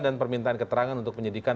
dan permintaan keterangan untuk penyelidikan